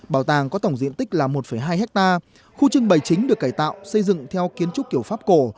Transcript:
bảo tàng có tổng diện tích là một hai hectare khu trưng bày chính được cải tạo xây dựng theo kiến trúc kiểu pháp cổ